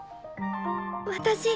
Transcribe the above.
私